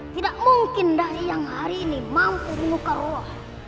tidak mungkin dayang hari ini mampu menyukai roh